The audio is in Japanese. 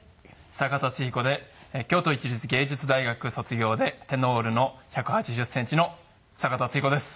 佐賀龍彦で京都市立芸術大学卒業でテノールの１８０センチの佐賀龍彦です。